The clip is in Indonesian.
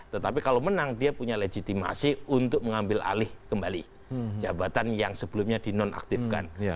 tetapi kalau menang dia punya legitimasi untuk mengambil alih kembali jabatan yang sebelumnya dinonaktifkan